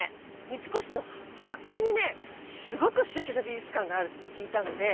三越の８階にすごくステキな美術館があるって聞いたので。